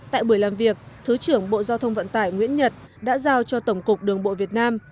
tại buổi làm việc thứ trưởng bộ giao thông vận tải nguyễn nhật đã giao cho tổng cục đường bộ việt nam